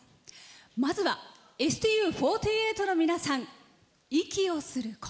まずは、ＳＴＵ４８の皆さん「息をする心」。